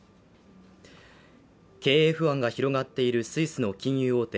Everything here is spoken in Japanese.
経営不安が広がっているスイスの金融大手